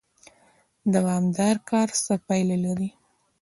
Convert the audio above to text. دوامدار کار څه پایله لري؟